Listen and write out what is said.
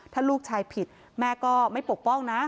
ถ้าลูกชายผิดแม่ก็ไม่ปกป้องนะ